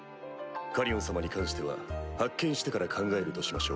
カリオン様に関しては発見してから考えるとしましょう。